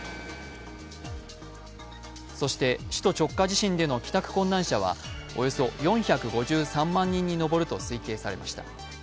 そして首都直下地震での帰宅困難者はおよそ４５３万人に上ると推計されました。